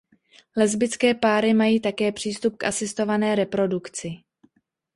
Lesbické páry mají také přístup k asistované reprodukci.